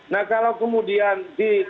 nah kalau kemudian di kemudian hari